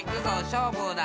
しょうぶだ。